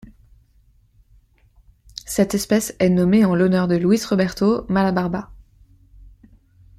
Cette espèce est nommé en l'honneur de Luiz Roberto Malabarba.